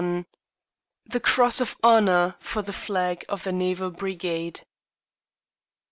XXI THE CROSS OF HONOUR FOR THE FLAG OF THE NAVAL BRIGADE!